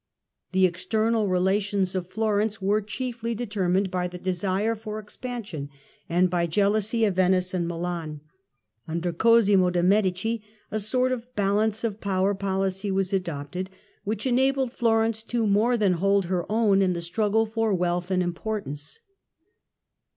The external relations of Florence were chiefly deter mined by the desire for expansion, and by jealousy of Venice and Milan. Under Cosimo de' Medici a sort of "balance of power" policy was adopted, which enabled ITALY, 1382 1463 183 Florence to more than hold her own in the struggle for wealth and importance.